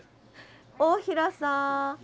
大平さん。